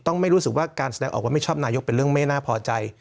ไม่รู้สึกว่าการแสดงออกว่าไม่ชอบนายกเป็นเรื่องไม่น่าพอใจ